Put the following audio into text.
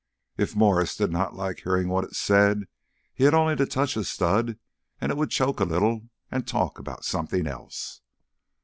If Mwres did not like hearing what it said, he had only to touch a stud, and it would choke a little and talk about something else.